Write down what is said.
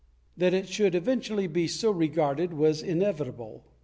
That it should eventually be so regarded was inevitable.